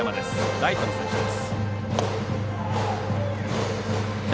ライトの選手です。